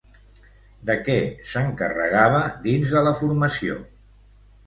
De què s'encarregava dins de la formació?